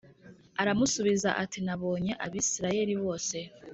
Aramusubiza ati Nabonye Abisirayeli bose